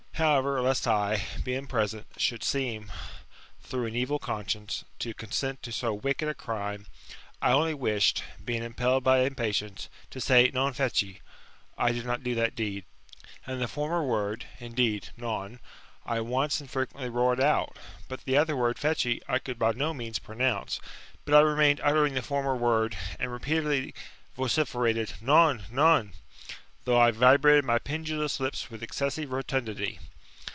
However, lest I, being present, should seem, through an evil conscience, to consent to so wicked a crime, I only wished, being impelled by impatience, to say, Ncnjed^ I did not do that deed. And the former wdrd» indeed. I GOLDBN ASS, OF APULBIUS. — BOOK VII. 107 non] I once and frequently roared out; but the other word feci] I could by no means pronounce, but I remained uttering the former word, and repeatedly vociferated noHf ff^;f/ though I vibrated my pendulous lips with excessive rotundity.